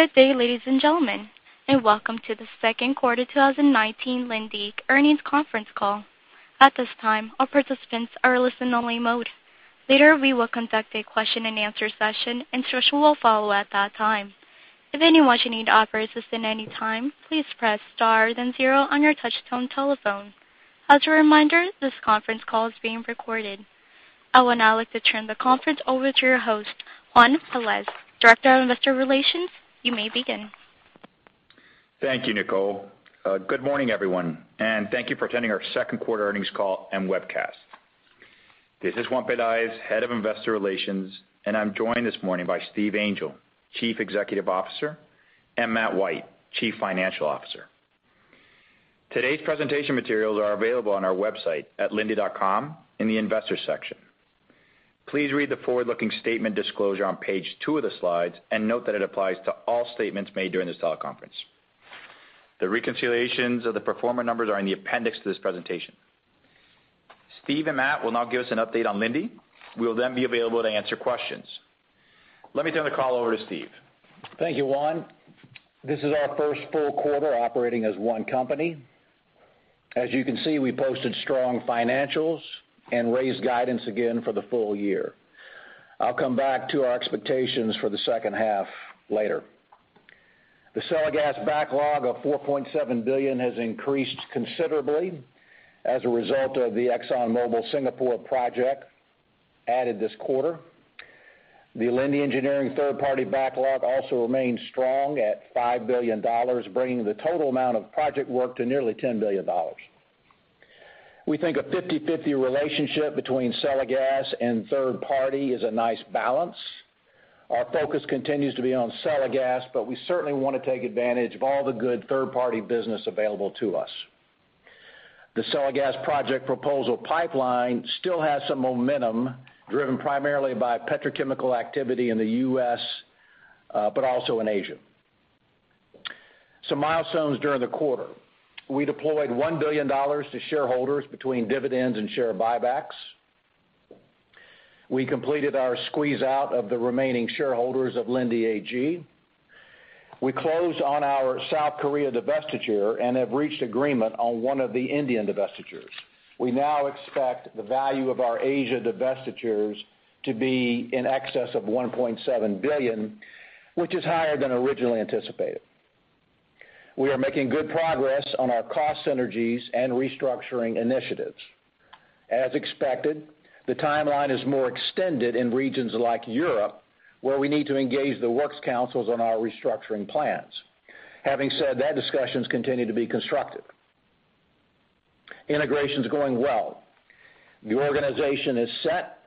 Good day, ladies and gentlemen, welcome to the Second Quarter 2019 Linde Earnings Conference Call. At this time, all participants are in listen only mode. Later, we will conduct a question and answer session, instructions will follow at that time. If anyone should need operator assistance at any time, please press star then zero on your touchtone telephone. As a reminder, this conference call is being recorded. I would now like to turn the conference over to your host, Juan Pelaez, Director of Investor Relations. You may begin. Thank you, Nicole. Good morning, everyone, and thank you for attending our second quarter earnings call and webcast. This is Juan Pelaez, Head of Investor Relations, and I'm joined this morning by Stephen Angel, Chief Executive Officer, and Matthew White, Chief Financial Officer. Today's presentation materials are available on our website at linde.com in the investors section. Please read the forward-looking statement disclosure on page two of the slides and note that it applies to all statements made during this teleconference. The reconciliations of the pro forma numbers are in the appendix to this presentation. Steve and Matt will now give us an update on Linde. We will then be available to answer questions. Let me turn the call over to Steve. Thank you, Juan. This is our first full quarter operating as one company. As you can see, we posted strong financials and raised guidance again for the full year. I'll come back to our expectations for the second half later. The sale of gas backlog of $4.7 billion has increased considerably as a result of the ExxonMobil Singapore project added this quarter. The Linde Engineering third-party backlog also remains strong at $5 billion, bringing the total amount of project work to nearly $10 billion. We think a 50/50 relationship between sale of gas and third party is a nice balance. Our focus continues to be on sale of gas, we certainly want to take advantage of all the good third-party business available to us. The sale of gas project proposal pipeline still has some momentum, driven primarily by petrochemical activity in the U.S., but also in Asia. Some milestones during the quarter. We deployed $1 billion to shareholders between dividends and share buybacks. We completed our squeeze out of the remaining shareholders of Linde AG. We closed on our South Korea divestiture and have reached agreement on one of the Indian divestitures. We now expect the value of our Asia divestitures to be in excess of $1.7 billion, which is higher than originally anticipated. We are making good progress on our cost synergies and restructuring initiatives. As expected, the timeline is more extended in regions like Europe, where we need to engage the works councils on our restructuring plans. Having said that, discussions continue to be constructive. Integration's going well. The organization is set.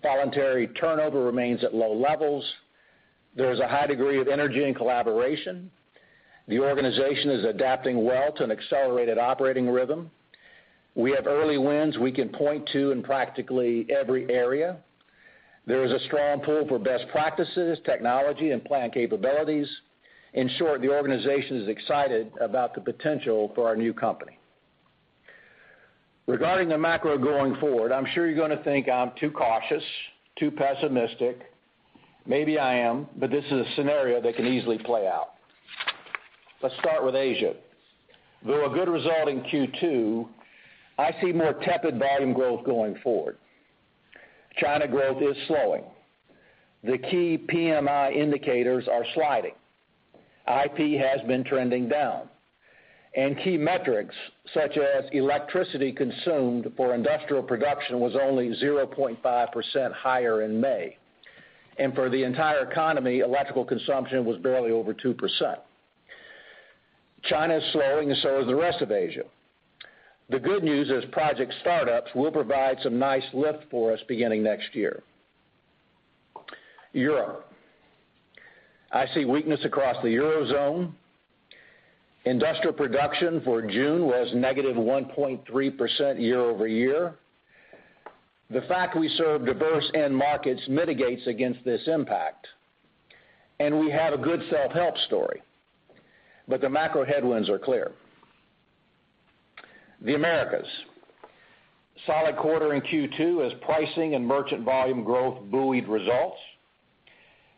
Voluntary turnover remains at low levels. There is a high degree of energy and collaboration. The organization is adapting well to an accelerated operating rhythm. We have early wins we can point to in practically every area. There is a strong pull for best practices, technology, and plant capabilities. In short, the organization is excited about the potential for our new company. Regarding the macro going forward, I'm sure you're going to think I'm too cautious, too pessimistic. Maybe I am, but this is a scenario that can easily play out. Let's start with Asia. Though a good result in Q2, I see more tepid volume growth going forward. China growth is slowing. The key PMI indicators are sliding. IP has been trending down, and key metrics such as electricity consumed for industrial production was only 0.5% higher in May. For the entire economy, electrical consumption was barely over 2%. China is slowing, and so is the rest of Asia. The good news is project startups will provide some nice lift for us beginning next year. Europe. I see weakness across the Eurozone. Industrial production for June was -1.3% year-over-year. The fact we serve diverse end markets mitigates against this impact, and we have a good self-help story. The macro headwinds are clear. The Americas. Solid quarter in Q2 as pricing and merchant volume growth buoyed results.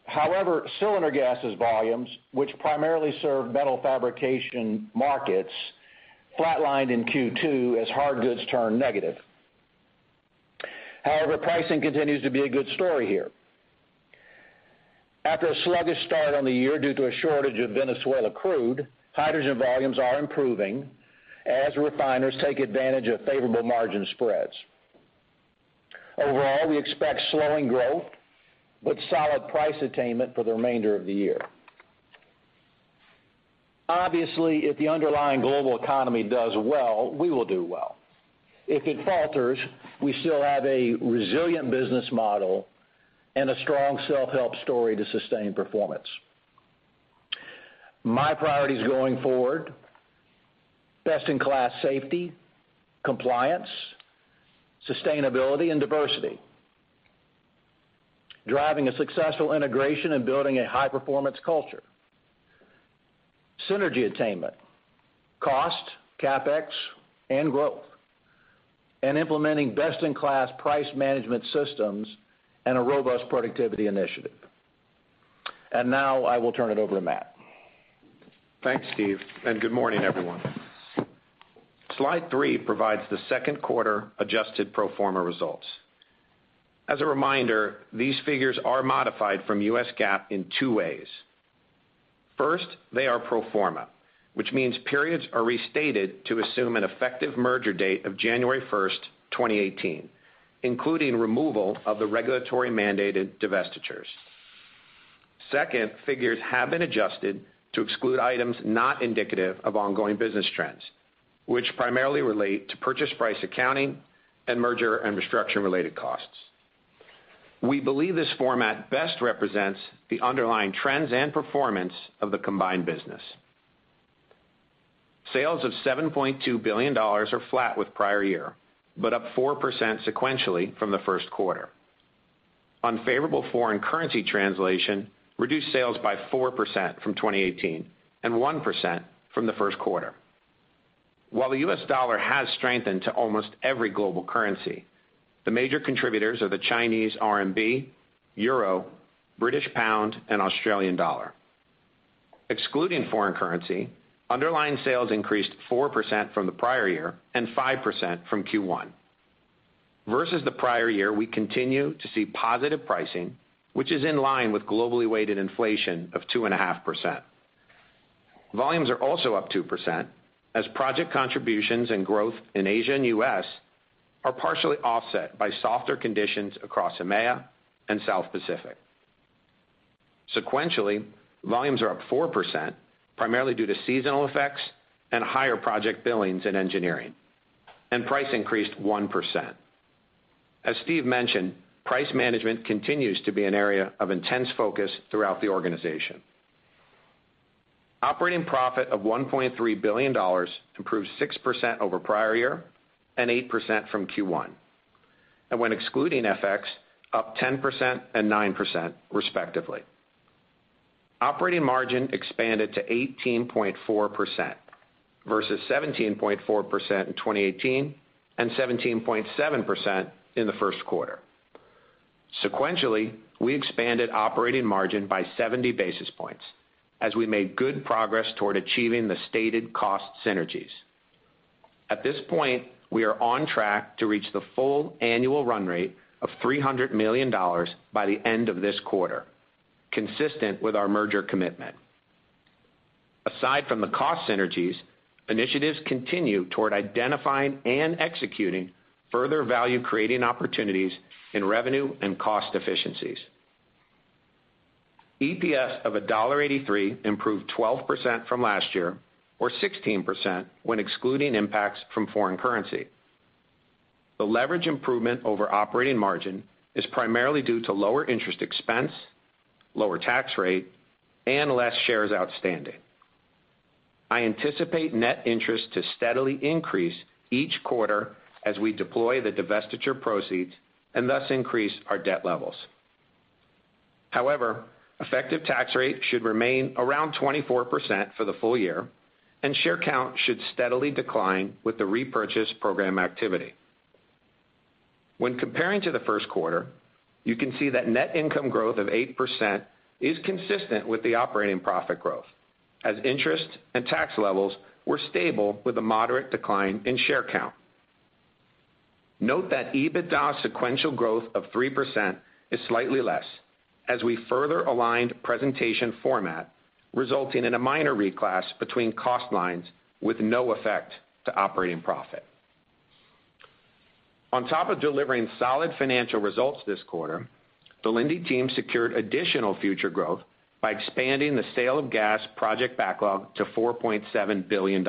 However, cylinder gases volumes, which primarily serve metal fabrication markets, flatlined in Q2 as hard goods turned negative. Pricing continues to be a good story here. After a sluggish start on the year due to a shortage of Venezuela crude, hydrogen volumes are improving as refiners take advantage of favorable margin spreads. Overall, we expect slowing growth, but solid price attainment for the remainder of the year. Obviously, if the underlying global economy does well, we will do well. If it falters, we still have a resilient business model and a strong self-help story to sustain performance. My priorities going forward, best-in-class safety, compliance, sustainability, and diversity. Driving a successful integration and building a high-performance culture. Synergy attainment, cost, CapEx, and growth, and implementing best-in-class price management systems and a robust productivity initiative. Now I will turn it over to Matt. Thanks, Steve. Good morning, everyone. Slide three provides the second quarter adjusted pro forma results. As a reminder, these figures are modified from US GAAP in two ways. First, they are pro forma, which means periods are restated to assume an effective merger date of January 1st, 2018, including removal of the regulatory-mandated divestitures. Second, figures have been adjusted to exclude items not indicative of ongoing business trends which primarily relate to purchase price accounting and merger and restructure-related costs. We believe this format best represents the underlying trends and performance of the combined business. Sales of $7.2 billion are flat with prior year, up 4% sequentially from the first quarter. Unfavorable foreign currency translation reduced sales by 4% from 2018, 1% from the first quarter. While the U.S. dollar has strengthened to almost every global currency, the major contributors are the Chinese RMB, EUR, GBP, and AUD. Excluding foreign currency, underlying sales increased 4% from the prior year and 5% from Q1. Versus the prior year, we continue to see positive pricing, which is in line with globally weighted inflation of 2.5%. Volumes are also up 2%, as project contributions and growth in Asia and U.S. are partially offset by softer conditions across EMEA and South Pacific. Sequentially, volumes are up 4%, primarily due to seasonal effects and higher project billings in engineering, and price increased 1%. As Steve mentioned, price management continues to be an area of intense focus throughout the organization. Operating profit of $1.3 billion improves 6% over prior year and 8% from Q1. When excluding FX, up 10% and 9%, respectively. Operating margin expanded to 18.4% versus 17.4% in 2018 and 17.7% in the first quarter. Sequentially, we expanded operating margin by 70 basis points as we made good progress toward achieving the stated cost synergies. At this point, we are on track to reach the full annual run rate of $300 million by the end of this quarter, consistent with our merger commitment. Aside from the cost synergies, initiatives continue toward identifying and executing further value-creating opportunities in revenue and cost efficiencies. EPS of $1.83 improved 12% from last year, or 16% when excluding impacts from foreign currency. The leverage improvement over operating margin is primarily due to lower interest expense, lower tax rate, and less shares outstanding. I anticipate net interest to steadily increase each quarter as we deploy the divestiture proceeds and thus increase our debt levels. However, effective tax rate should remain around 24% for the full year, and share count should steadily decline with the repurchase program activity. When comparing to the first quarter, you can see that net income growth of 8% is consistent with the operating profit growth, as interest and tax levels were stable with a moderate decline in share count. Note that EBITDA's sequential growth of 3% is slightly less as we further aligned presentation format, resulting in a minor reclass between cost lines with no effect to operating profit. On top of delivering solid financial results this quarter, the Linde team secured additional future growth by expanding the sale of gas project backlog to $4.7 billion.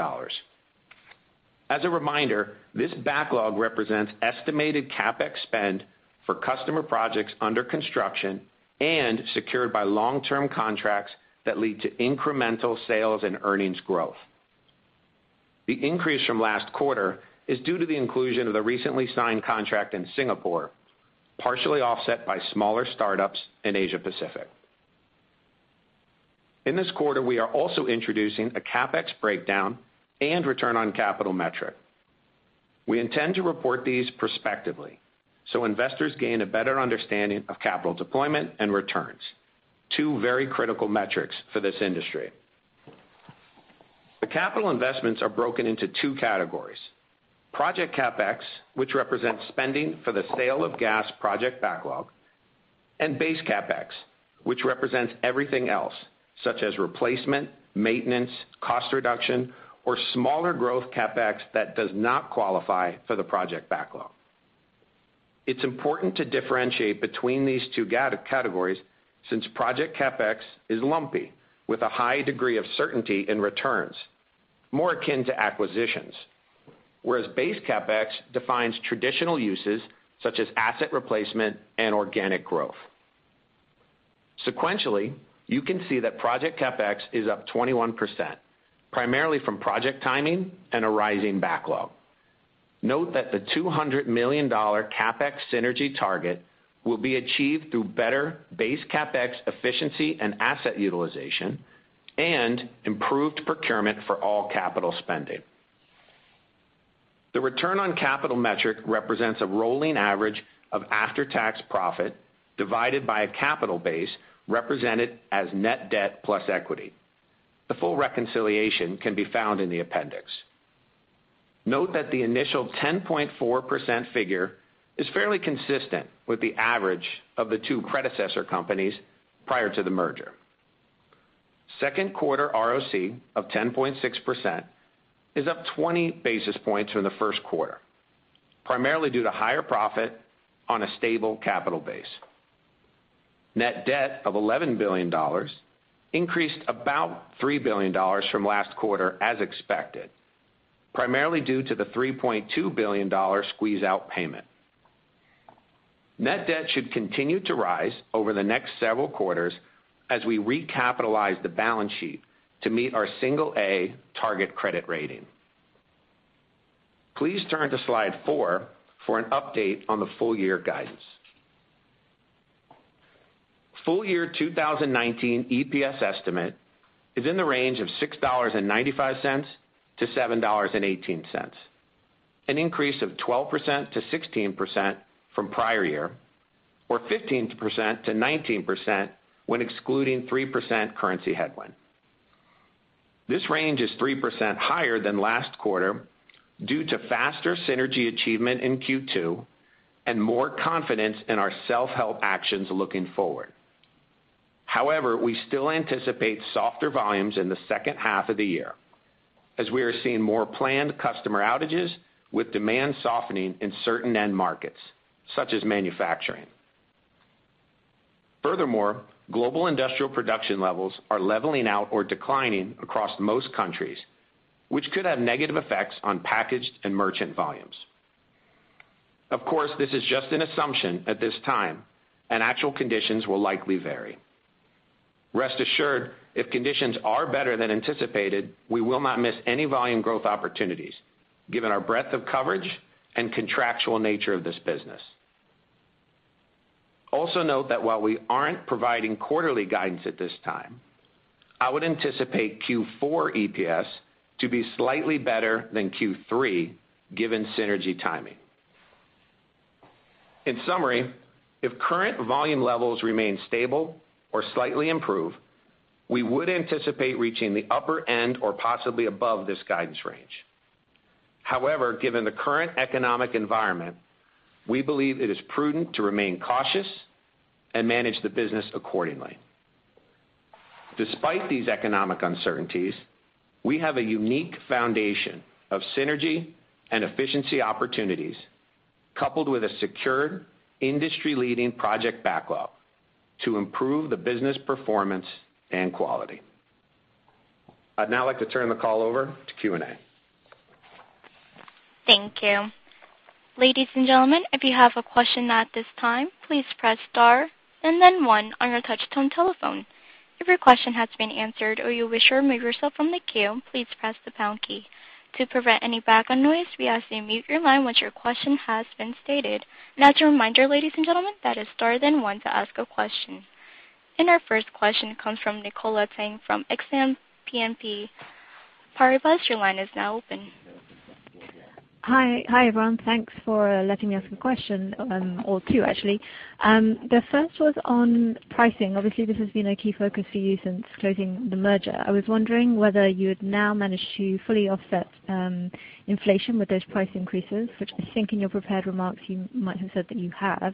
As a reminder, this backlog represents estimated CapEx spend for customer projects under construction and secured by long-term contracts that lead to incremental sales and earnings growth. The increase from last quarter is due to the inclusion of the recently signed contract in Singapore, partially offset by smaller startups in Asia-Pacific. In this quarter, we are also introducing a CapEx breakdown and Return on Capital metric. We intend to report these prospectively so investors gain a better understanding of capital deployment and returns, two very critical metrics for this industry. The capital investments are broken into two categories. Project CapEx, which represents spending for the sale of gas project backlog, and base CapEx, which represents everything else, such as replacement, maintenance, cost reduction, or smaller growth CapEx that does not qualify for the project backlog. It's important to differentiate between these two categories since project CapEx is lumpy, with a high degree of certainty in returns, more akin to acquisitions. Base CapEx defines traditional uses such as asset replacement and organic growth. Sequentially, you can see that project CapEx is up 21%, primarily from project timing and a rising backlog. Note that the $200 million CapEx synergy target will be achieved through better base CapEx efficiency and asset utilization and improved procurement for all capital spending. The return on capital metric represents a rolling average of after-tax profit divided by a capital base represented as net debt plus equity. The full reconciliation can be found in the appendix. Note that the initial 10.4% figure is fairly consistent with the average of the two predecessor companies prior to the merger. Second quarter ROC of 10.6% is up 20 basis points from the first quarter, primarily due to higher profit on a stable capital base. Net debt of $11 billion increased about $3 billion from last quarter as expected, primarily due to the $3.2 billion squeeze out payment. Net debt should continue to rise over the next several quarters as we recapitalize the balance sheet to meet our single A target credit rating. Please turn to slide four for an update on the full year guidance. Full year 2019 EPS estimate is in the range of $6.95-$7.18, an increase of 12%-16% from prior year or 15%-19% when excluding 3% currency headwind. This range is 3% higher than last quarter due to faster synergy achievement in Q2 and more confidence in our self-help actions looking forward. However, we still anticipate softer volumes in the second half of the year, as we are seeing more planned customer outages with demand softening in certain end markets, such as manufacturing. Furthermore, global industrial production levels are leveling out or declining across most countries which could have negative effects on packaged and merchant volumes. Of course, this is just an assumption at this time, and actual conditions will likely vary. Rest assured, if conditions are better than anticipated, we will not miss any volume growth opportunities given our breadth of coverage and contractual nature of this business. Note that while we aren't providing quarterly guidance at this time, I would anticipate Q4 EPS to be slightly better than Q3 given synergy timing. In summary, if current volume levels remain stable or slightly improve, we would anticipate reaching the upper end or possibly above this guidance range. Given the current economic environment, we believe it is prudent to remain cautious and manage the business accordingly. Despite these economic uncertainties, we have a unique foundation of synergy and efficiency opportunities, coupled with a secured industry-leading project backlog to improve the business performance and quality. I'd now like to turn the call over to Q&A. Thank you. Ladies and gentlemen, if you have a question at this time, please press star and then one on your touch-tone telephone. If your question has been answered or you wish to remove yourself from the queue, please press the pound key. To prevent any background noise, we ask that you mute your line once your question has been stated. As a reminder, ladies and gentlemen, that is star then one to ask a question. Our first question comes from Nicola Tang from Exane BNP Paribas. Your line is now open. Hi, everyone. Thanks for letting me ask a question or two, actually. The first was on pricing. Obviously, this has been a key focus for you since closing the merger. I was wondering whether you had now managed to fully offset inflation with those price increases, which I think in your prepared remarks, you might have said that you have.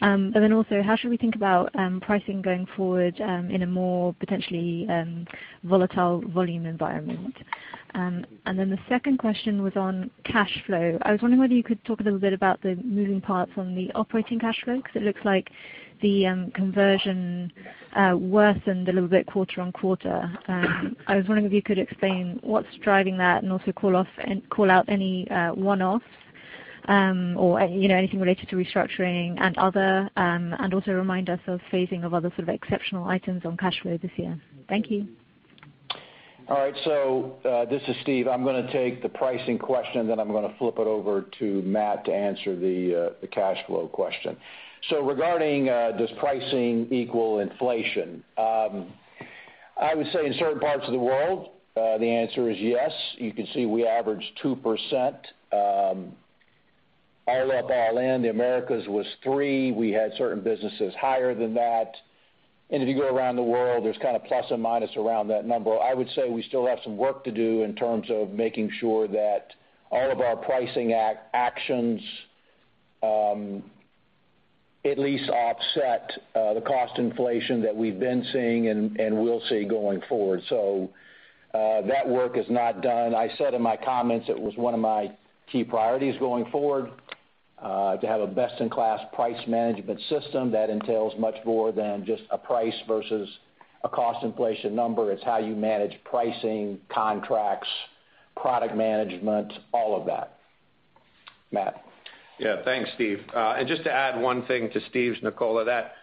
How should we think about pricing going forward in a more potentially volatile volume environment? The second question was on cash flow. I was wondering whether you could talk a little bit about the moving parts on the operating cash flow, because it looks like the conversion worsened a little bit quarter on quarter. I was wondering if you could explain what's driving that and also call out any one-offs or anything related to restructuring and other and also remind us of phasing of other sort of exceptional items on cash flow this year. Thank you. All right. This is Steve. I'm going to take the pricing question, then I'm going to flip it over to Matt to answer the cash flow question. Regarding does pricing equal inflation? I would say in certain parts of the world, the answer is yes. You can see we average 2%. All up, all in, the Americas was 3%. We had certain businesses higher than that. If you go around the world, there's kind of plus and minus around that number. I would say we still have some work to do in terms of making sure that all of our pricing actions at least offset the cost inflation that we've been seeing and will see going forward. That work is not done. I said in my comments it was one of my key priorities going forward to have a best-in-class price management system that entails much more than just a price versus a cost inflation number. It's how you manage pricing, contracts, product management, all of that. Matt? Yeah. Thanks, Steve. Just to add one thing to Steve's, Nicola, that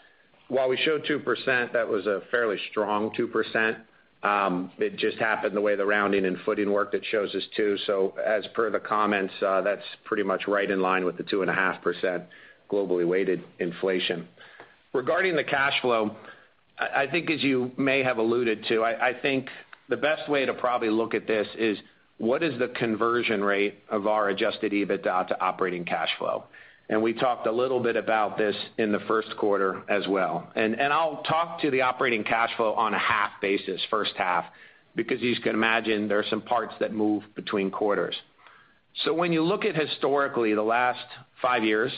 while we showed 2%, that was a fairly strong 2%. It just happened the way the rounding and footing worked, it shows as two. As per the comments, that's pretty much right in line with the 2.5% globally weighted inflation. Regarding the cash flow, I think as you may have alluded to, I think the best way to probably look at this is what is the conversion rate of our Adjusted EBITDA to operating cash flow. We talked a little bit about this in the first quarter as well. I'll talk to the operating cash flow on a half basis, first half, because you can imagine there are some parts that move between quarters. When you look at historically the last five years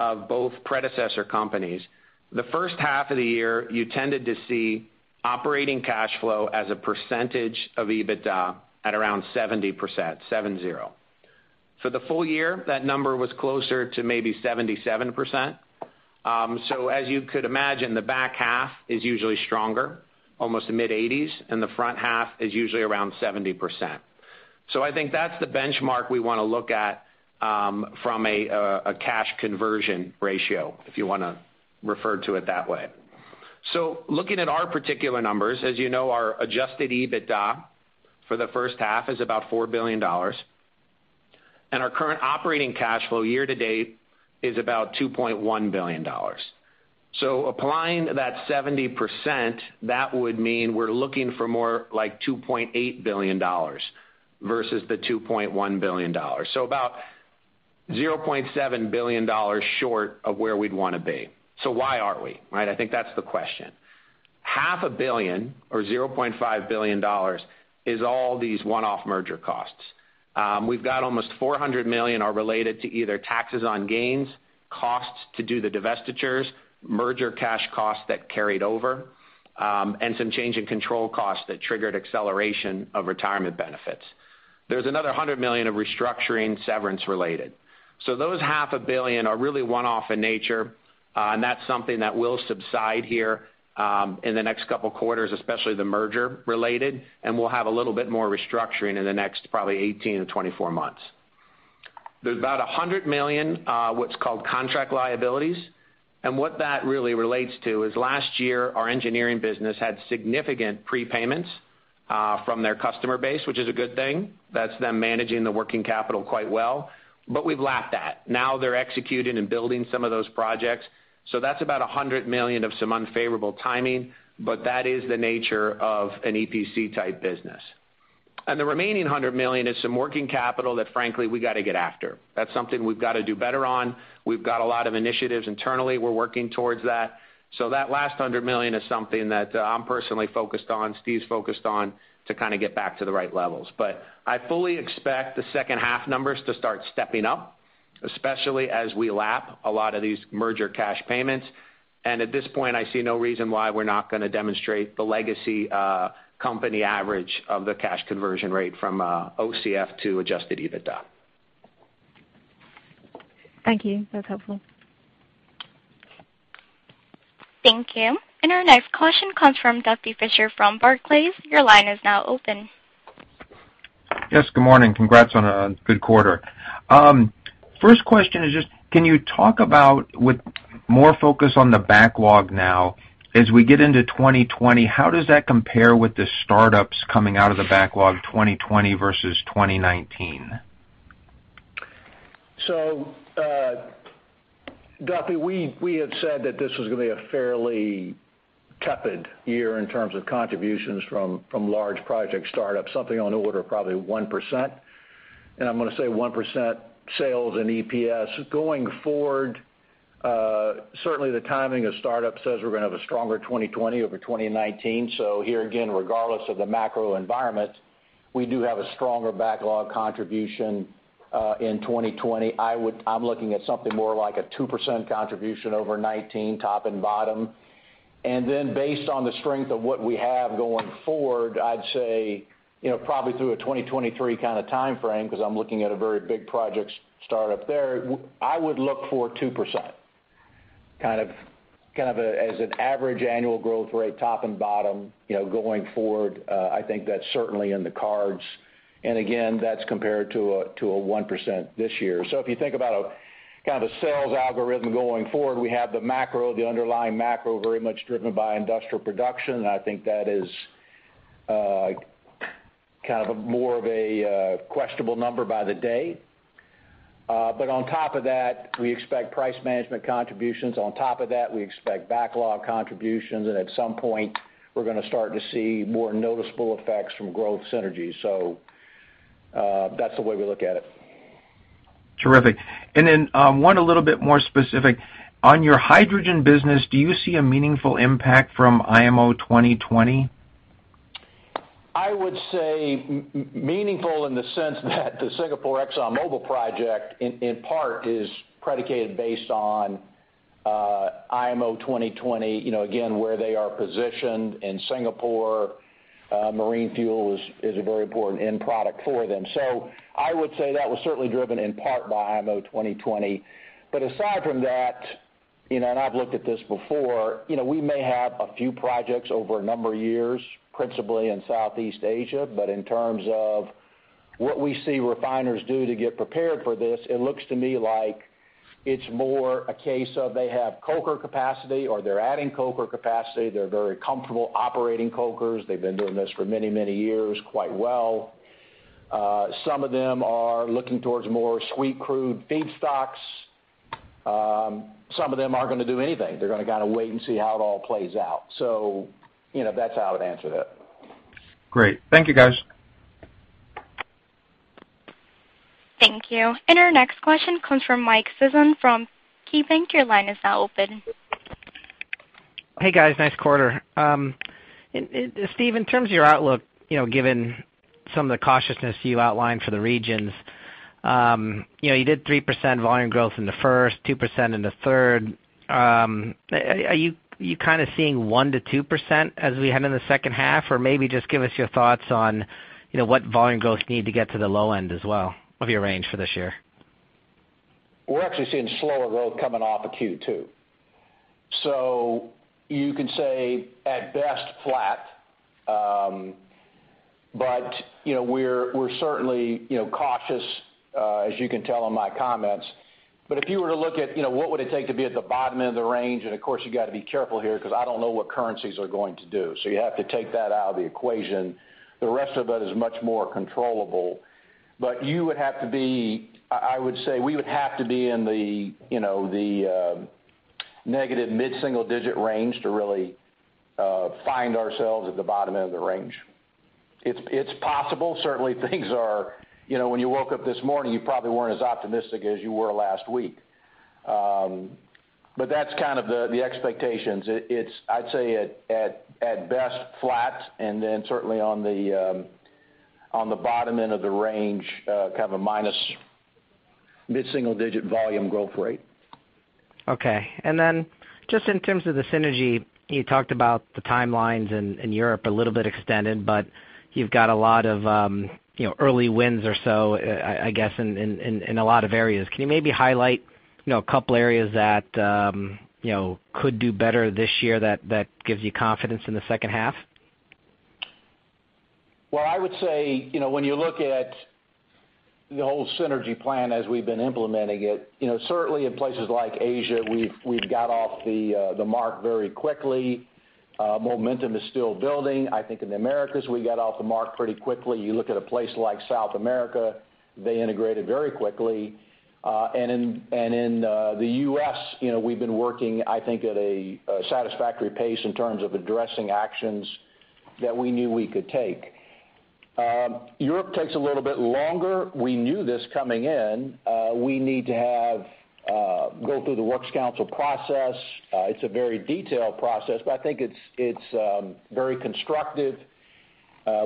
of both predecessor companies, the first half of the year, you tended to see operating cash flow as a percentage of EBITDA at around 70%, 70. For the full year, that number was closer to maybe 77%. As you could imagine, the back half is usually stronger, almost mid-80s, and the front half is usually around 70%. I think that's the benchmark we want to look at from a cash conversion ratio, if you want to refer to it that way. Looking at our particular numbers, as you know, our Adjusted EBITDA for the first half is about $4 billion. Our current operating cash flow year to date is about $2.1 billion. Applying that 70%, that would mean we're looking for more like $2.8 billion versus the $2.1 billion. About $0.7 billion short of where we'd want to be. Why aren't we? Right? I think that's the question. Half a billion or $0.5 billion is all these one-off merger costs. We've got almost $400 million are related to either taxes on gains, costs to do the divestitures, merger cash costs that carried over, and some change in control costs that triggered acceleration of retirement benefits. There's another $100 million of restructuring severance related. Those half a billion are really one-off in nature. That's something that will subside here in the next couple of quarters, especially the merger related, and we'll have a little bit more restructuring in the next probably 18 to 24 months. There's about $100 million, what's called contract liabilities. What that really relates to is last year, our engineering business had significant prepayments from their customer base, which is a good thing. That's them managing the working capital quite well. We've lapped that. Now they're executing and building some of those projects. That's about $100 million of some unfavorable timing, but that is the nature of an EPC type business. The remaining $100 million is some working capital that frankly, we got to get after. That's something we've got to do better on. We've got a lot of initiatives internally. We're working towards that. That last $100 million is something that I'm personally focused on, Steve's focused on, to kind of get back to the right levels. I fully expect the second half numbers to start stepping up, especially as we lap a lot of these merger cash payments. At this point, I see no reason why we're not going to demonstrate the legacy company average of the cash conversion rate from OCF to Adjusted EBITDA. Thank you. That's helpful. Thank you. Our next question comes from Duffy Fischer from Barclays. Your line is now open. Yes, good morning. Congrats on a good quarter. First question is just can you talk about with more focus on the backlog now, as we get into 2020, how does that compare with the startups coming out of the backlog 2020 versus 2019? Duffy, we had said that this was going to be a fairly tepid year in terms of contributions from large project startups, something on order of probably 1%. I'm going to say 1% sales and EPS. Going forward, certainly the timing of startup says we're going to have a stronger 2020 over 2019. Here again, regardless of the macro environment, we do have a stronger backlog contribution in 2020. I'm looking at something more like a 2% contribution over 2019, top and bottom. Then based on the strength of what we have going forward, I'd say probably through a 2023 kind of timeframe, because I'm looking at a very big project startup there, I would look for 2%, kind of as an average annual growth rate, top and bottom, going forward. I think that's certainly in the cards. Again, that's compared to a 1% this year. If you think about kind of a sales algorithm going forward, we have the macro, the underlying macro, very much driven by industrial production. I think that is kind of more of a questionable number by the day. On top of that, we expect price management contributions. On top of that, we expect backlog contributions. At some point, we're going to start to see more noticeable effects from growth synergies. That's the way we look at it. Terrific. One a little bit more specific on your hydrogen business, do you see a meaningful impact from IMO 2020? I would say meaningful in the sense that the Singapore ExxonMobil project, in part, is predicated based on IMO 2020. Where they are positioned in Singapore, marine fuel is a very important end product for them. I would say that was certainly driven in part by IMO 2020. Aside from that. I've looked at this before. We may have a few projects over a number of years, principally in Southeast Asia. In terms of what we see refiners do to get prepared for this, it looks to me like it's more a case of they have coker capacity or they're adding coker capacity. They're very comfortable operating cokers. They've been doing this for many years quite well. Some of them are looking towards more sweet crude feedstocks. Some of them aren't going to do anything. They're going to kind of wait and see how it all plays out. That's how I would answer that. Great. Thank you, guys. Thank you. Our next question comes from Michael Sison from KeyBanc. Your line is now open. Hey, guys, nice quarter. Steve, in terms of your outlook, given some of the cautiousness you outlined for the regions. You did 3% volume growth in the first, 2% in the third. Are you kind of seeing 1% to 2% as we head into the second half? Maybe just give us your thoughts on what volume growth you need to get to the low end as well of your range for this year. We're actually seeing slower growth coming off of Q2. You could say at best flat. We're certainly cautious, as you can tell in my comments. If you were to look at what would it take to be at the bottom end of the range, and of course, you got to be careful here because I don't know what currencies are going to do. You have to take that out of the equation. The rest of it is much more controllable. I would say we would have to be in the negative mid-single-digit range to really find ourselves at the bottom end of the range. It's possible. Certainly when you woke up this morning, you probably weren't as optimistic as you were last week. That's kind of the expectations. I'd say at best flat, and then certainly on the bottom end of the range, kind of a minus mid-single-digit volume growth rate. Okay. Just in terms of the synergy, you talked about the timelines in Europe a little bit extended, you've got a lot of early wins or so, I guess, in a lot of areas. Can you maybe highlight a couple areas that could do better this year that gives you confidence in the second half? Well, I would say, when you look at the whole synergy plan as we've been implementing it, certainly in places like Asia, we've got off the mark very quickly. Momentum is still building. I think in the Americas, we got off the mark pretty quickly. You look at a place like South America, they integrated very quickly. In the U.S., we've been working, I think, at a satisfactory pace in terms of addressing actions that we knew we could take. Europe takes a little bit longer. We knew this coming in. We need to go through the works council process. It's a very detailed process, but I think it's very constructive.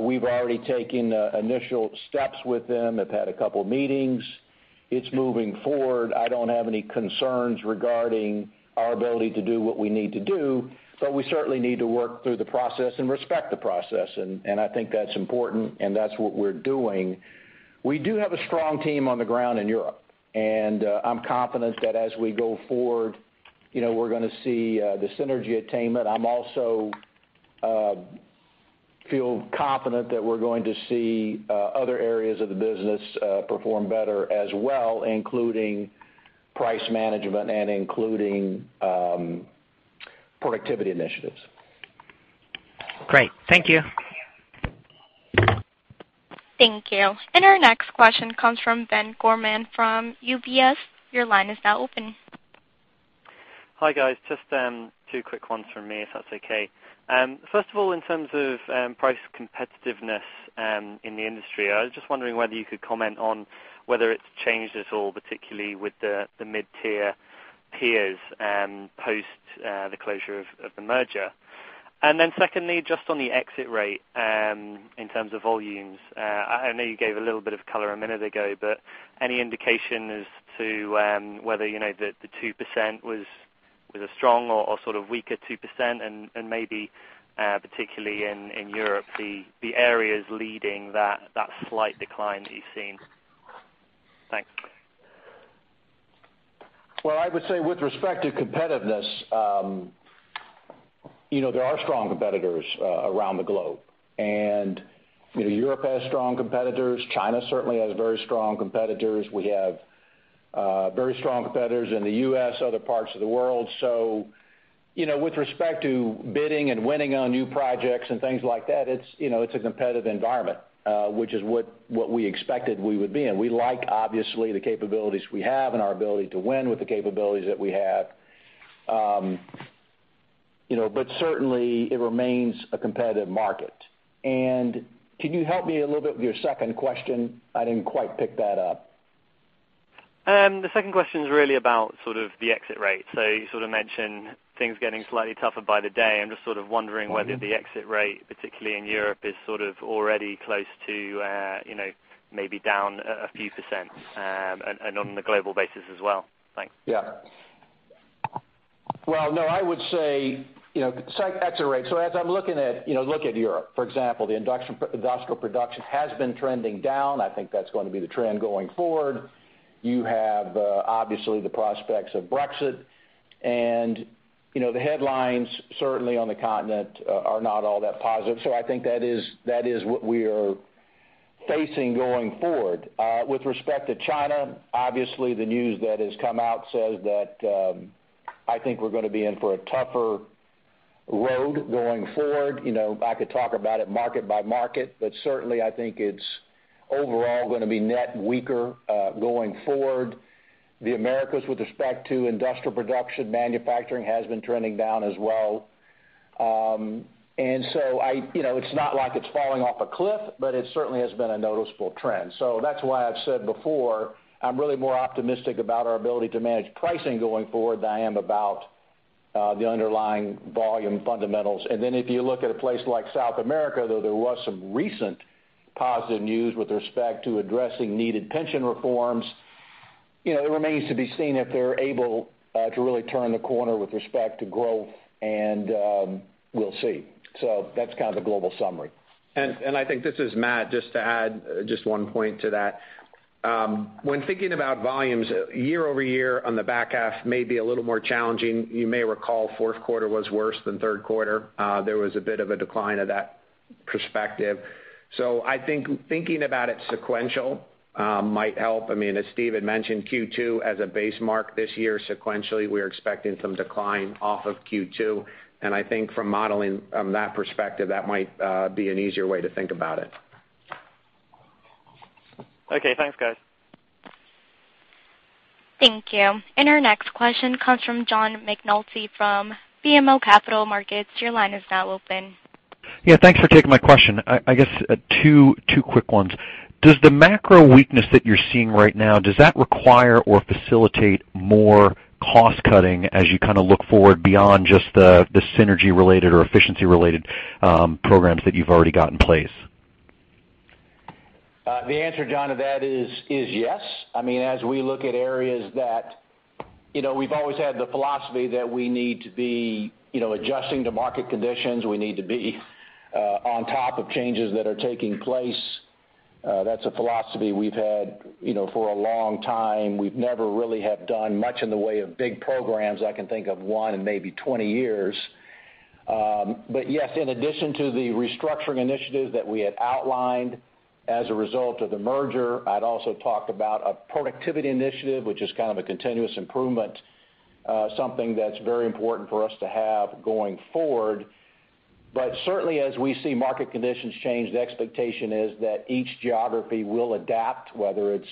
We've already taken initial steps with them, have had a couple meetings. It's moving forward. I don't have any concerns regarding our ability to do what we need to do but we certainly need to work through the process and respect the process. I think that's important, and that's what we're doing. We do have a strong team on the ground in Europe, and I'm confident that as we go forward, we're going to see the synergy attainment. I also feel confident that we're going to see other areas of the business perform better as well, including price management and including productivity initiatives. Great. Thank you. Thank you. Our next question comes from Kevin Gorman from UBS. Your line is now open. Hi, guys. Just two quick ones from me, if that's okay. First of all, in terms of price competitiveness in the industry, I was just wondering whether you could comment on whether it's changed at all, particularly with the mid-tier peers post the closure of the merger. Secondly, just on the exit rate in terms of volumes. I know you gave a little bit of color a minute ago, but any indication as to whether the 2% was a strong or sort of weaker 2% and maybe particularly in Europe, the areas leading that slight decline that you've seen? Thanks. Well, I would say with respect to competitiveness, there are strong competitors around the globe. Europe has strong competitors. China certainly has very strong competitors. We have very strong competitors in the U.S., other parts of the world. With respect to bidding and winning on new projects and things like that, it's a competitive environment which is what we expected we would be in. We like, obviously, the capabilities we have and our ability to win with the capabilities that we have. Certainly, it remains a competitive market. Can you help me a little bit with your second question? I didn't quite pick that up. The second question is really about sort of the exit rate. You sort of mentioned things getting slightly tougher by the day. I'm just sort of wondering whether the exit rate, particularly in Europe, is sort of already close to maybe down a few percent and on the global basis as well. Thanks. Well, no, I would say exit rate. As I'm looking at Europe, for example, the industrial production has been trending down. I think that's going to be the trend going forward. You have, obviously, the prospects of Brexit. The headlines certainly on the continent are not all that positive. I think that is what we are facing going forward. With respect to China, obviously the news that has come out says that I think we're going to be in for a tougher road going forward. I could talk about it market by market, certainly I think it's overall going to be net weaker going forward. The Americas with respect to industrial production manufacturing has been trending down as well. It's not like it's falling off a cliff, but it certainly has been a noticeable trend. That's why I've said before, I'm really more optimistic about our ability to manage pricing going forward than I am about the underlying volume fundamentals. If you look at a place like South America, though there was some recent positive news with respect to addressing needed pension reforms, it remains to be seen if they're able to really turn the corner with respect to growth and we'll see. That's kind of the global summary. I think, this is Matt, just to add just one point to that. When thinking about volumes year-over-year on the back half may be a little more challenging. You may recall fourth quarter was worse than third quarter. There was a bit of a decline of that perspective. I think thinking about it sequential might help. As Steve had mentioned, Q2 as a base mark this year sequentially, we're expecting some decline off of Q2, and I think from modeling from that perspective, that might be an easier way to think about it. Okay, thanks guys. Thank you. Our next question comes from John McNulty from BMO Capital Markets. Your line is now open. Yeah, thanks for taking my question. I guess two quick ones. Does the macro weakness that you're seeing right now, does that require or facilitate more cost cutting as you look forward beyond just the synergy related or efficiency related programs that you've already got in place? The answer, John, to that is yes. We look at areas that we've always had the philosophy that we need to be adjusting to market conditions, we need to be on top of changes that are taking place. That's a philosophy we've had for a long time. We've never really have done much in the way of big programs. I can think of one in maybe 20 years. Yes, in addition to the restructuring initiatives that we had outlined as a result of the merger, I'd also talk about a productivity initiative which is kind of a continuous improvement, something that's very important for us to have going forward. Certainly as we see market conditions change, the expectation is that each geography will adapt, whether it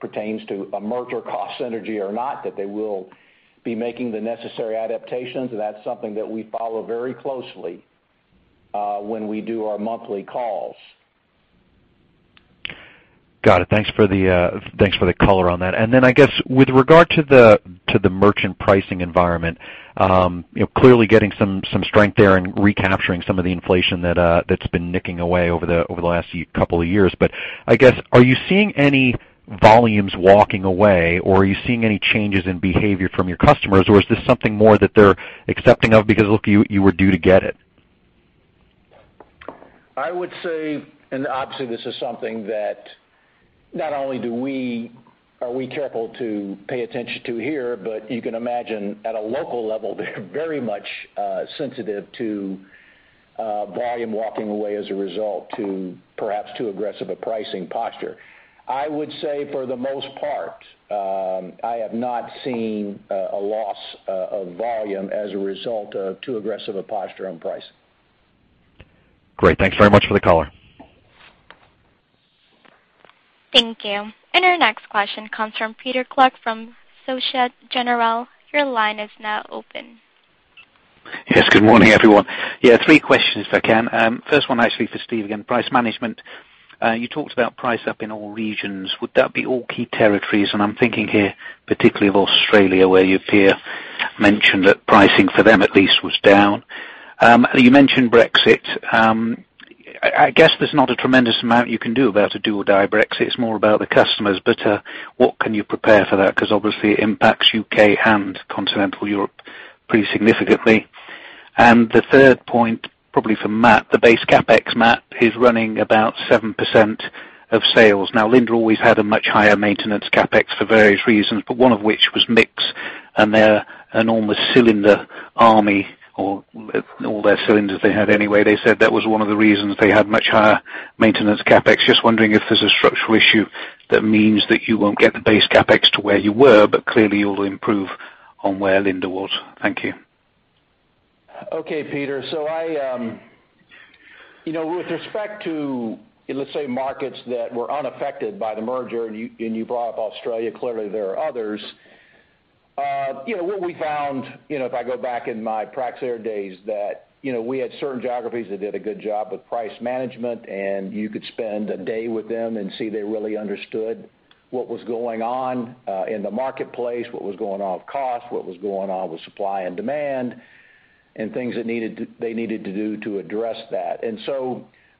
pertains to a merger cost synergy or not, that they will be making the necessary adaptations. That's something that we follow very closely when we do our monthly calls. Got it. Thanks for the color on that. I guess with regard to the merchant pricing environment, clearly getting some strength there and recapturing some of the inflation that's been nicking away over the last couple of years. I guess, are you seeing any volumes walking away or are you seeing any changes in behavior from your customers or is this something more that they're accepting of because, look, you were due to get it? I would say, obviously this is something that not only are we careful to pay attention to here, but you can imagine at a local level, they're very much sensitive to volume walking away as a result to perhaps too aggressive a pricing posture. I would say for the most part, I have not seen a loss of volume as a result of too aggressive a posture on pricing. Great. Thanks very much for the color. Thank you. Our next question comes from Peter Clark from Societe Generale. Your line is now open. Yes, good morning everyone. Yeah, three questions if I can. First one actually for Steve again, price management. You talked about price up in all regions. Would that be all key territories? I'm thinking here particularly of Australia where your peer mentioned that pricing for them at least was down. You mentioned Brexit. I guess there's not a tremendous amount you can do about a do or die Brexit. It's more about the customers. What can you prepare for that? Because obviously it impacts U.K. and continental Europe pretty significantly. The third point probably for Matt, the base CapEx map is running about 7% of sales. Now Linde always had a much higher maintenance CapEx for various reasons but one of which was mix and their enormous cylinder army or all their cylinders they had anyway. They said that was one of the reasons they had much higher maintenance CapEx. Just wondering if there's a structural issue that means that you won't get the base CapEx to where you were, but clearly you'll improve on where Linde was. Thank you. Okay, Peter. With respect to, let's say, markets that were unaffected by the merger, and you brought up Australia, clearly there are others. What we found, if I go back in my Praxair days that we had certain geographies that did a good job with price management, and you could spend a day with them and see they really understood what was going on in the marketplace, what was going on with cost, what was going on with supply and demand, and things they needed to do to address that.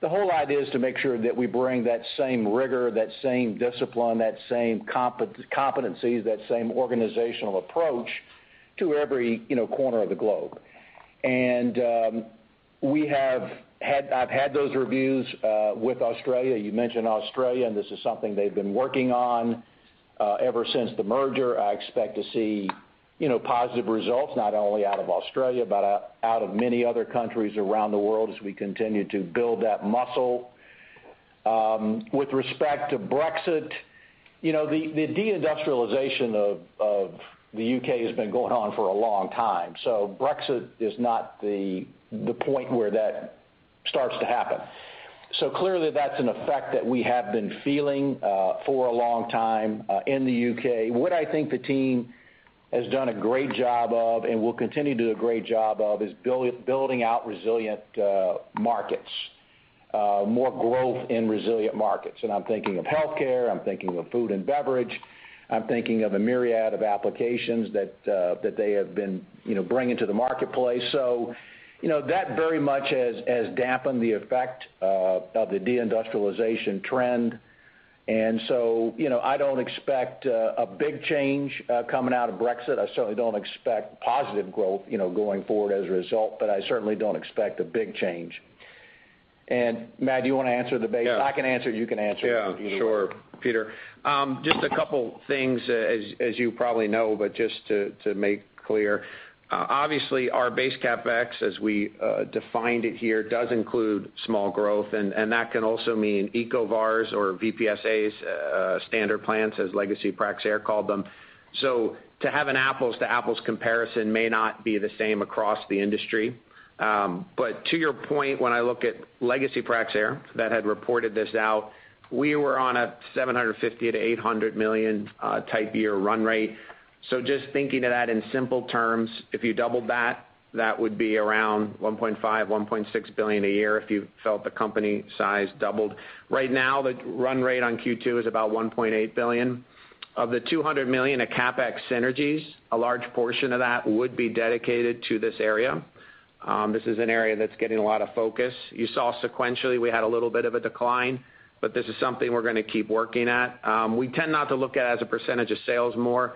The whole idea is to make sure that we bring that same rigor, that same discipline, that same competencies, that same organizational approach to every corner of the globe. I've had those reviews with Australia. You mentioned Australia, and this is something they've been working on ever since the merger. I expect to see positive results, not only out of Australia, but out of many other countries around the world as we continue to build that muscle. With respect to Brexit, the de-industrialization of the U.K. has been going on for a long time. Brexit is not the point where that starts to happen. Clearly, that's an effect that we have been feeling for a long time in the U.K. What I think the team has done a great job of, and will continue to do a great job of, is building out resilient markets, more growth in resilient markets. I'm thinking of healthcare. I'm thinking of food and beverage. I'm thinking of a myriad of applications that they have been bringing to the marketplace. That very much has dampened the effect of the de-industrialization trend. I don't expect a big change coming out of Brexit. I certainly don't expect positive growth going forward as a result. I certainly don't expect a big change. Matt, do you want to answer the base? Yeah. I can answer it, you can answer it, whichever you want. Sure, Peter. Just a couple things, as you probably know, but just to make clear. Our base CapEx, as we defined it here, does include small growth and that can also mean ECOVAR or VPSA, standard plants, as legacy Praxair called them. To have an apples-to-apples comparison may not be the same across the industry. To your point, when I look at legacy Praxair that had reported this out, we were on a $750 million to $800 million type year run rate. Just thinking of that in simple terms, if you doubled that would be around $1.5 billion to $1.6 billion a year if you felt the company size doubled. Right now, the run rate on Q2 is about $1.8 billion. Of the $200 million of CapEx synergies, a large portion of that would be dedicated to this area. This is an area that's getting a lot of focus. You saw sequentially, we had a little bit of a decline, but this is something we're going to keep working at. We tend not to look at it as a percentage of sales more.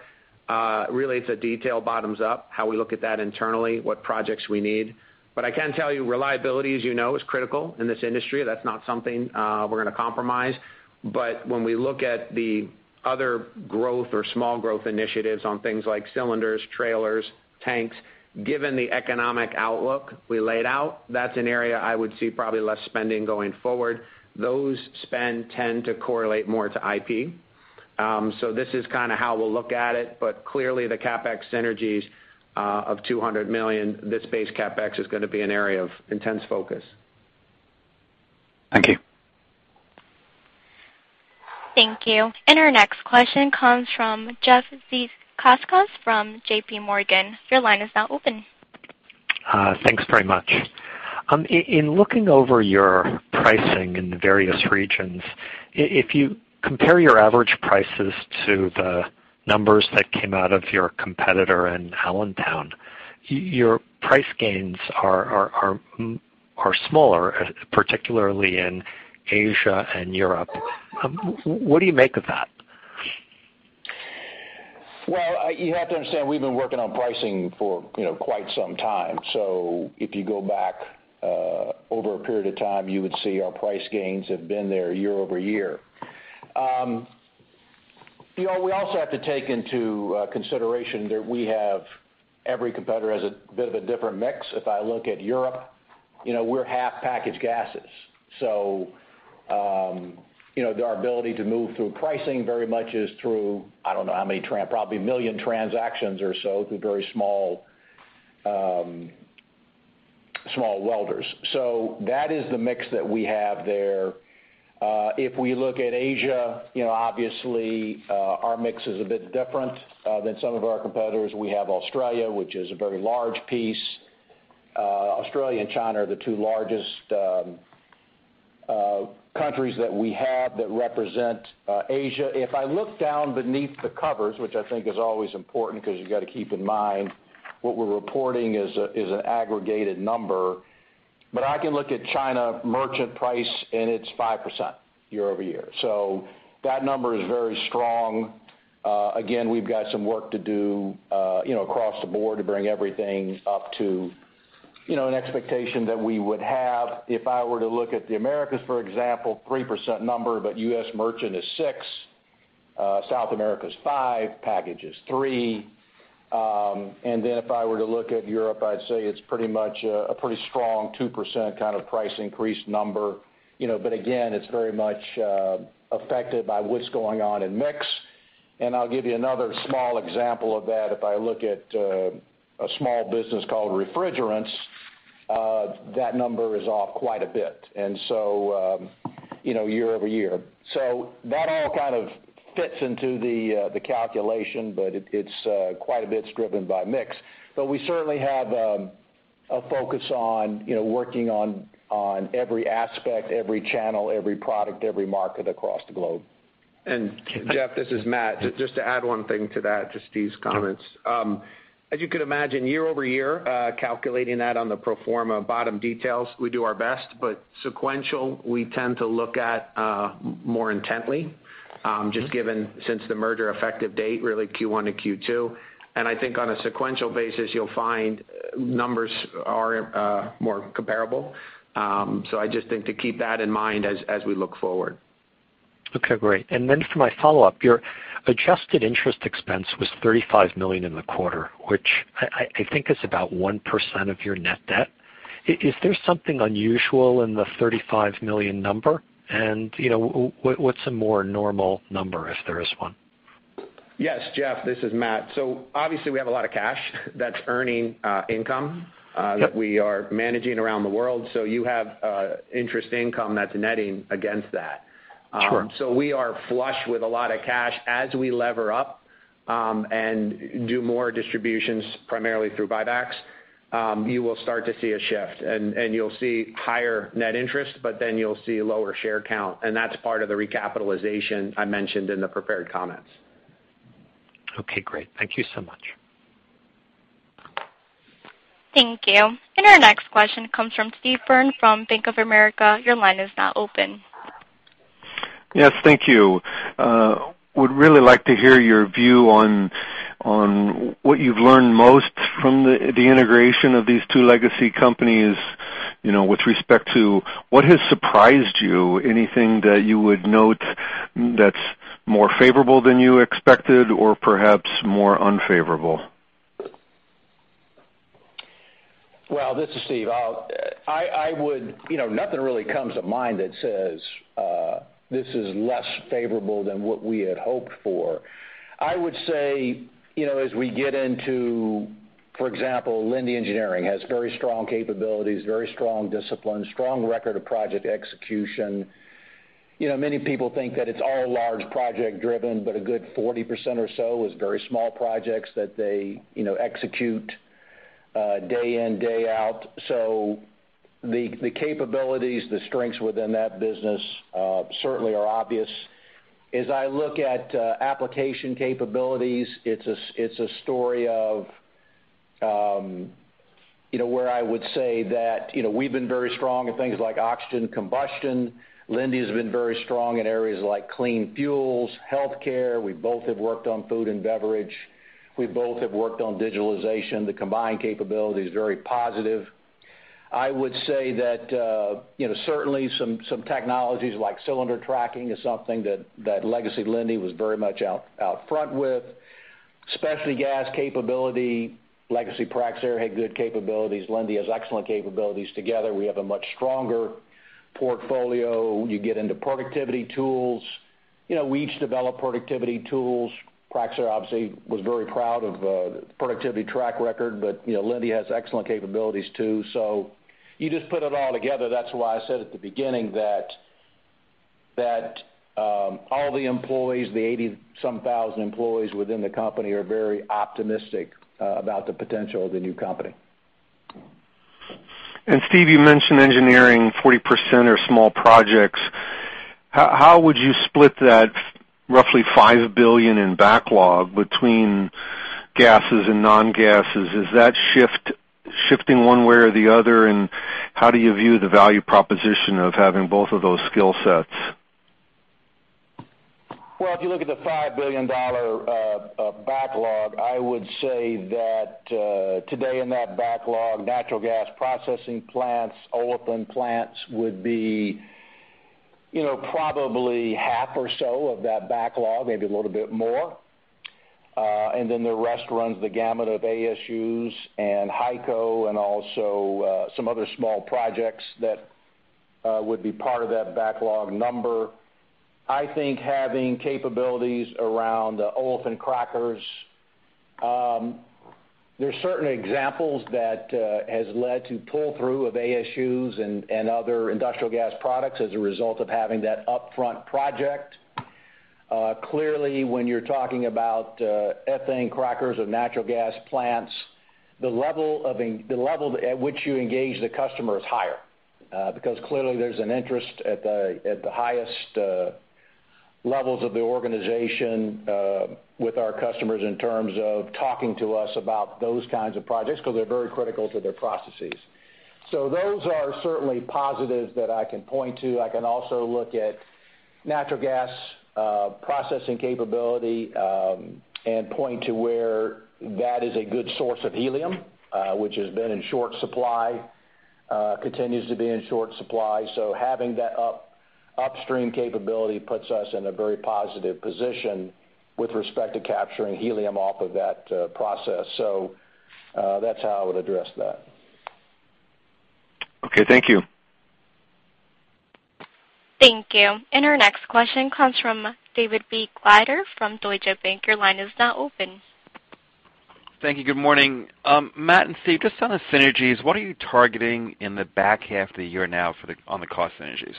Really, it's a detail bottoms up, how we look at that internally, what projects we need. I can tell you reliability, as you know, is critical in this industry. That's not something we're going to compromise. When we look at the other growth or small growth initiatives on things like cylinders, trailers, tanks, given the economic outlook we laid out, that's an area I would see probably less spending going forward. Those spend tend to correlate more to IP. This is kind of how we'll look at it, but clearly the CapEx synergies of $200 million, this base CapEx is going to be an area of intense focus. Thank you. Thank you. Our next question comes from Jeffrey Zekauskas from JPMorgan. Your line is now open. Thanks very much. In looking over your pricing in the various regions, if you compare your average prices to the numbers that came out of your competitor in Allentown, your price gains are smaller, particularly in Asia and Europe. What do you make of that? Well, you have to understand, we've been working on pricing for quite some time. If you go back over a period of time, you would see our price gains have been there year-over-year. We also have to take into consideration that every competitor has a bit of a different mix. If I look at Europe, we're half packaged gases. Their ability to move through pricing very much is through, I don't know how many, probably 1 million transactions or so through very small welders. That is the mix that we have there. If we look at Asia, obviously, our mix is a bit different than some of our competitors. We have Australia, which is a very large piece. Australia and China are the two largest countries that we have that represent Asia. If I look down beneath the covers, which I think is always important because you got to keep in mind what we're reporting is an aggregated number. I can look at China merchant price, and it's 5% year-over-year. That number is very strong. Again, we've got some work to do across the board to bring everything up to an expectation that we would have. If I were to look at the Americas, for example, 3% number, but U.S. merchant is six, South America's five, package is three. If I were to look at Europe, I'd say it's pretty much a pretty strong 2% kind of price increase number. Again, it's very much affected by what's going on in mix. I'll give you another small example of that. If I look at a small business called Refrigerants, that number is off quite a bit year-over-year. That all kind of fits into the calculation, but it's quite a bit driven by mix. We certainly have a focus on working on every aspect, every channel, every product, every market across the globe. Jeff, this is Matt. Just to add one thing to that, to Steve's comments. As you could imagine, year-over-year, calculating that on the pro forma bottom details, we do our best but sequential, we tend to look at more intently, just given since the merger effective date, really Q1 to Q2. I think on a sequential basis, you'll find numbers are more comparable. I just think to keep that in mind as we look forward. Okay, great. For my follow-up, your adjusted interest expense was $35 million in the quarter, which I think is about 1% of your net debt. Is there something unusual in the $35 million number? What's a more normal number, if there is one? Yes, Jeff, this is Matt. Obviously we have a lot of cash that's earning income that we are managing around the world. You have interest income that's netting against that. Sure. We are flush with a lot of cash. As we lever up and do more distributions, primarily through buybacks, you will start to see a shift, and you'll see higher net interest but then you'll see lower share count. That's part of the recapitalization I mentioned in the prepared comments. Okay, great. Thank you so much. Thank you. Our next question comes from Steve Byrne from Bank of America. Your line is now open. Yes, thank you. Would really like to hear your view on what you've learned most from the integration of these two legacy companies, with respect to what has surprised you, anything that you would note that's more favorable than you expected or perhaps more unfavorable? Well, this is Steve. Nothing really comes to mind that says this is less favorable than what we had hoped for. I would say as we get into, for example, Linde Engineering has very strong capabilities, very strong discipline, strong record of project execution. Many people think that it's all large project driven, but a good 40% or so is very small projects that they execute day in, day out. The capabilities, the strengths within that business certainly are obvious. As I look at application capabilities, it's a story of where I would say that we've been very strong at things like oxygen combustion. Linde has been very strong in areas like clean fuels, healthcare. We both have worked on food and beverage. We both have worked on digitalization. The combined capability is very positive. I would say that certainly some technologies like cylinder tracking is something that legacy Linde was very much out front with. Specialty gas capability, legacy Praxair had good capabilities. Linde has excellent capabilities. Together, we have a much stronger portfolio. You get into productivity tools. We each develop productivity tools. Praxair obviously was very proud of productivity track record. Linde has excellent capabilities too. You just put it all together. That's why I said at the beginning that all the employees, the 80-some thousand employees within the company are very optimistic about the potential of the new company. Steve, you mentioned engineering, 40% are small projects. How would you split that roughly $5 billion in backlog between gases and non-gases? Is that shifting one way or the other, and how do you view the value proposition of having both of those skill sets? If you look at the $5 billion of backlog, I would say that today in that backlog, natural gas processing plants, olefin plants would be probably half or so of that backlog, maybe a little bit more. The rest runs the gamut of ASUs and HYCO and also some other small projects that would be part of that backlog number. I think having capabilities around the olefin crackers, there's certain examples that has led to pull-through of ASUs and other industrial gas products as a result of having that upfront project. Clearly, when you're talking about ethane crackers or natural gas plants, the level at which you engage the customer is higher. Clearly there's an interest at the highest levels of the organization with our customers in terms of talking to us about those kinds of projects, because they're very critical to their processes. Those are certainly positives that I can point to. I can also look at natural gas processing capability and point to where that is a good source of Helium, which has been in short supply, continues to be in short supply. Having that upstream capability puts us in a very positive position with respect to capturing Helium off of that process. That's how I would address that. Okay, thank you. Thank you. Our next question comes from David Begleiter from Deutsche Bank. Your line is now open. Thank you. Good morning. Matt and Steve, just on the synergies, what are you targeting in the back half of the year now on the cost synergies?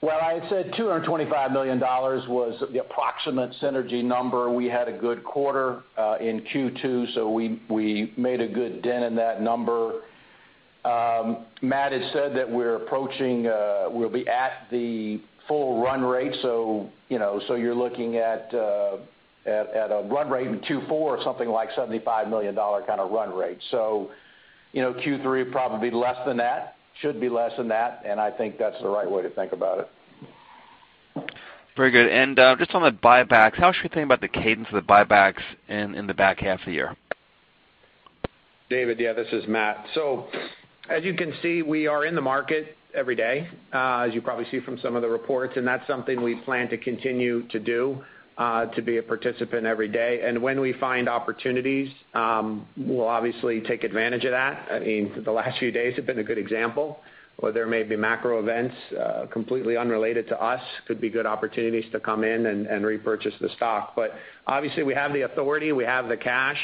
Well, I had said $225 million was the approximate synergy number. We had a good quarter in Q2, so we made a good dent in that number. Matt has said that we'll be at the full run rate. You're looking at a run rate in Q4 of something like $75 million kind of run rate. Q3 probably less than that. Should be less than that, and I think that's the right way to think about it. Very good. Just on the buybacks, how should we think about the cadence of the buybacks in the back half of the year? David, yeah, this is Matt. As you can see, we are in the market every day, as you probably see from some of the reports, that's something we plan to continue to do, to be a participant every day. When we find opportunities, we'll obviously take advantage of that. The last few days have been a good example, where there may be macro events completely unrelated to us, could be good opportunities to come in and repurchase the stock. Obviously we have the authority, we have the cash,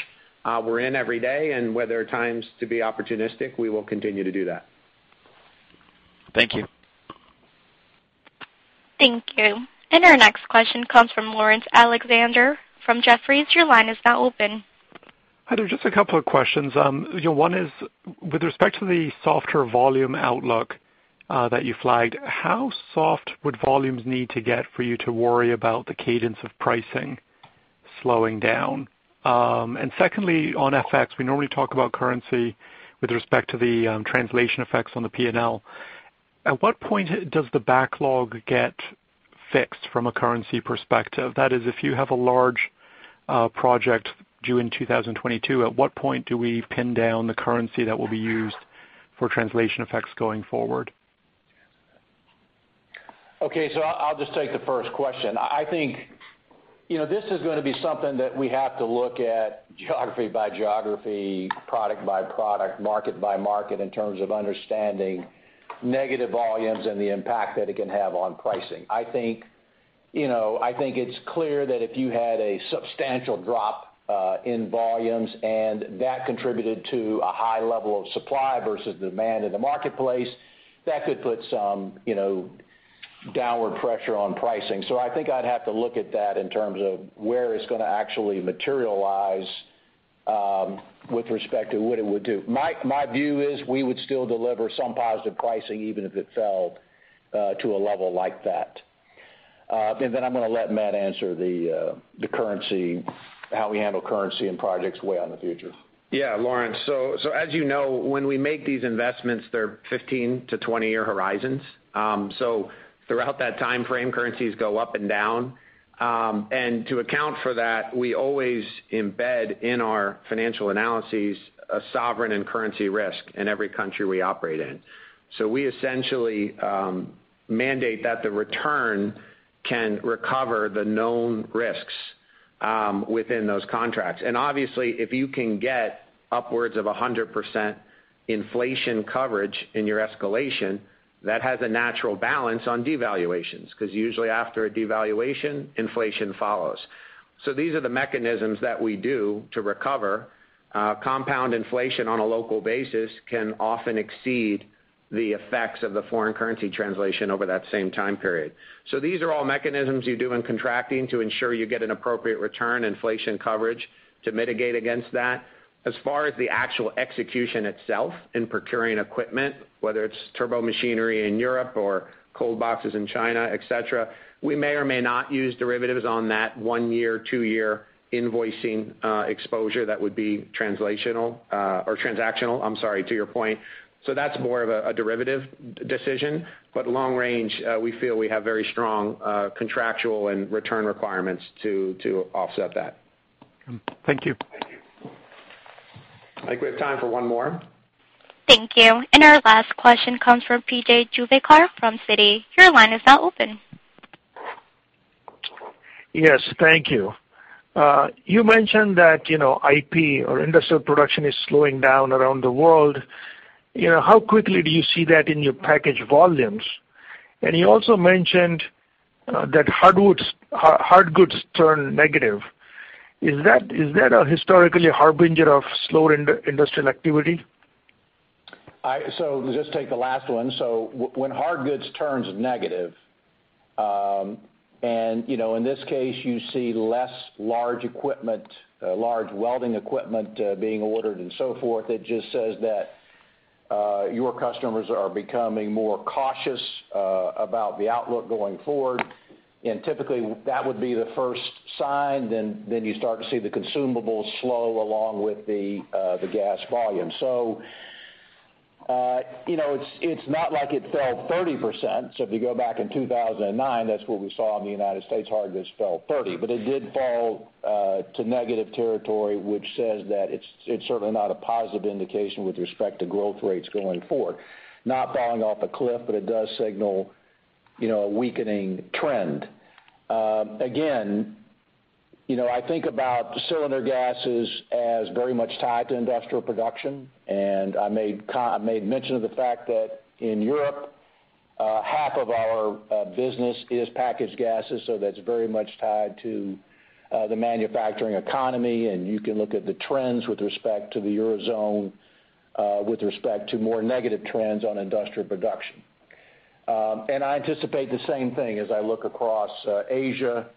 we're in every day and where there are times to be opportunistic, we will continue to do that. Thank you. Thank you. Our next question comes from Laurence Alexander from Jefferies. Your line is now open. Hi there, just a couple of questions. One is, with respect to the softer volume outlook that you flagged, how soft would volumes need to get for you to worry about the cadence of pricing slowing down? Secondly, on FX, we normally talk about currency with respect to the translation effects on the P&L. At what point does the backlog get fixed from a currency perspective? That is, if you have a large project due in 2022, at what point do we pin down the currency that will be used for translation effects going forward? Okay. I'll just take the first question. I think this is going to be something that we have to look at geography by geography, product by product, market by market in terms of understanding negative volumes and the impact that it can have on pricing. I think it's clear that if you had a substantial drop in volumes, and that contributed to a high level of supply versus demand in the marketplace, that could put some downward pressure on pricing. I think I'd have to look at that in terms of where it's going to actually materialize with respect to what it would do. My view is we would still deliver some positive pricing even if it fell to a level like that. I'm going to let Matt answer how we handle currency and projects way out in the future. Yeah, Laurence. As you know, when we make these investments, they're 15 to 20-year horizons. Throughout that time frame, currencies go up and down. To account for that, we always embed in our financial analyses a sovereign and currency risk in every country we operate in. We essentially mandate that the return can recover the known risks within those contracts. Obviously, if you can get upwards of 100% inflation coverage in your escalation, that has a natural balance on devaluations, because usually after a devaluation, inflation follows. These are the mechanisms that we do to recover. Compound inflation on a local basis can often exceed the effects of the foreign currency translation over that same time period. These are all mechanisms you do in contracting to ensure you get an appropriate return inflation coverage to mitigate against that. As far as the actual execution itself in procuring equipment, whether it's turbomachinery in Europe or cold boxes in China, et cetera, we may or may not use derivatives on that one year, two year invoicing exposure that would be translational, or transactional, I'm sorry, to your point. That's more of a derivative decision. Long range, we feel we have very strong contractual and return requirements to offset that. Thank you. Thank you. I think we have time for one more. Thank you. Our last question comes from P.J. Juvekar from Citi. Your line is now open. Yes, thank you. You mentioned that IP or industrial production is slowing down around the world. How quickly do you see that in your packaged volumes? You also mentioned that hard goods turned negative. Is that a historically harbinger of slower industrial activity? Just take the last one. When hard goods turns negative, and in this case you see less large welding equipment being ordered and so forth, it just says that your customers are becoming more cautious about the outlook going forward. Typically that would be the first sign, then you start to see the consumables slow along with the gas volume. It's not like it fell 30%. If you go back in 2009, that's what we saw in the U.S., hard goods fell 30%. It did fall to negative territory, which says that it's certainly not a positive indication with respect to growth rates going forward. Not falling off a cliff, but it does signal a weakening trend. Again, I think about cylinder gases as very much tied to industrial production, and I made mention of the fact that in Europe, half of our business is packaged gases, so that's very much tied to the manufacturing economy, and you can look at the trends with respect to the Eurozone with respect to more negative trends on industrial production. I anticipate the same thing as I look across Asia,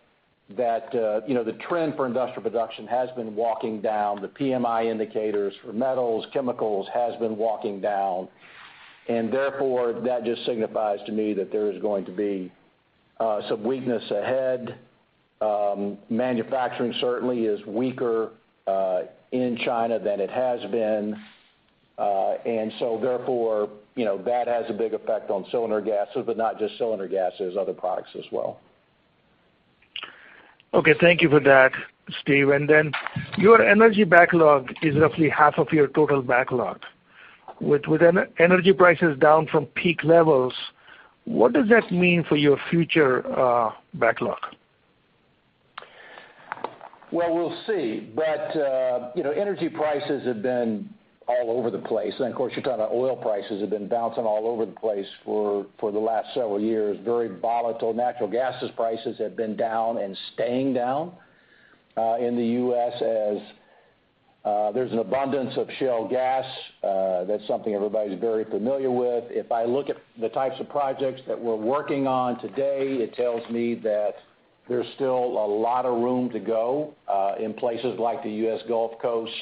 that the trend for industrial production has been walking down. The PMI indicators for metals, chemicals has been walking down, and therefore that just signifies to me that there is going to be some weakness ahead. Manufacturing certainly is weaker in China than it has been. Therefore, that has a big effect on cylinder gases but not just cylinder gases, other products as well. Okay. Thank you for that, Steve. Your energy backlog is roughly half of your total backlog. With energy prices down from peak levels, what does that mean for your future backlog? Well, we'll see. Energy prices have been all over the place. Of course, you're talking about oil prices have been bouncing all over the place for the last several years, very volatile. Natural gas prices have been down and staying down, in the U.S. as there's an abundance of shale gas. That's something everybody's very familiar with. If I look at the types of projects that we're working on today, it tells me that there's still a lot of room to go, in places like the U.S. Gulf Coast.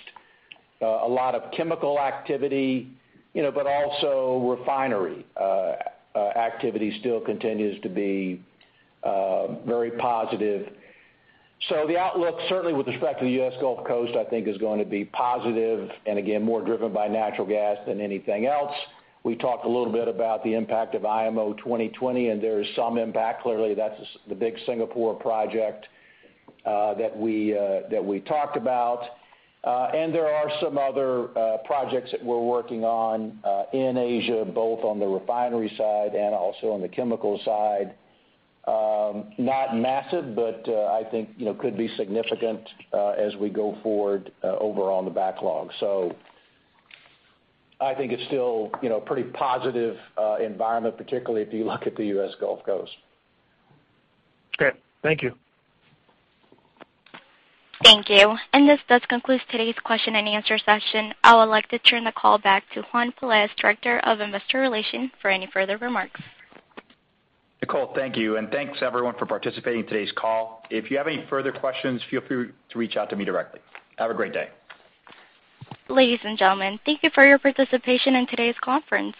A lot of chemical activity, also refinery activity still continues to be very positive. The outlook, certainly with respect to the U.S. Gulf Coast, I think is going to be positive and again, more driven by natural gas than anything else. We talked a little bit about the impact of IMO 2020, there is some impact. Clearly, that's the big Singapore project that we talked about. There are some other projects that we're working on in Asia, both on the refinery side and also on the chemical side. Not massive, but I think could be significant as we go forward overall in the backlog. I think it's still pretty positive environment, particularly if you look at the U.S. Gulf Coast. Great. Thank you. Thank you. This does conclude today's question and answer session. I would like to turn the call back to Juan Pelaez, Director of Investor Relations, for any further remarks. Nicole, thank you, and thanks everyone for participating in today's call. If you have any further questions, feel free to reach out to me directly. Have a great day. Ladies and gentlemen, thank you for your participation in today's conference.